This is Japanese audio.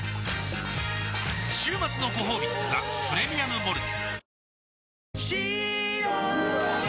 週末のごほうび「ザ・プレミアム・モルツ」